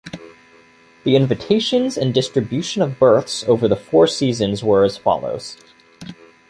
The invitations and distribution of berths over the four seasons were as follows.